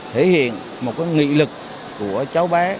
thể hiện một cái nghị lực của cháu bé